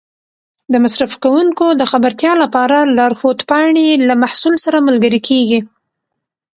د مصرف کوونکو د خبرتیا لپاره لارښود پاڼې له محصول سره ملګري کېږي.